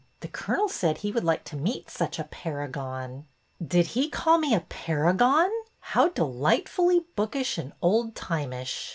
The colonel said he would like to meet such a paragon." '' Did he call me a ^ paragon '? How delight fully bookish and old timish?